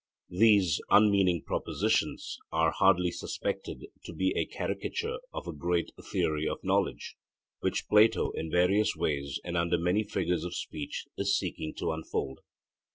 These unmeaning propositions are hardly suspected to be a caricature of a great theory of knowledge, which Plato in various ways and under many figures of speech is seeking to unfold.